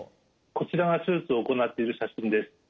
こちらが手術を行っている写真です。